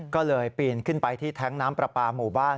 ก็เลยปีนขึ้นไปที่แท้งน้ำปลาปลาหมู่บ้าน